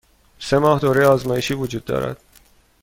سه ماه دوره آزمایشی وجود دارد.